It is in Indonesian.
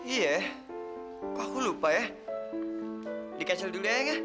iya kok aku lupa ya dicancel dulu ayang ya